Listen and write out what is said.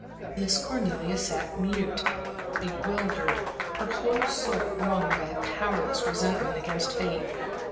Miss Cornelia sat mute, bewildered, her whole soul wrung by a powerless resentment against fate.